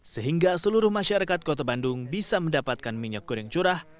sehingga seluruh masyarakat kota bandung bisa mendapatkan minyak goreng curah